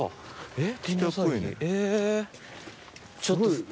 えっ。